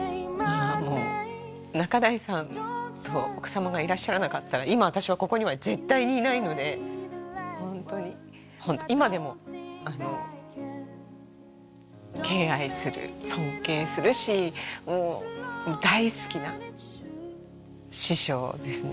あもう仲代さんと奥様がいらっしゃらなかったら今私はここには絶対にいないのでホントに今でもあの敬愛する尊敬するしもう大好きな師匠ですね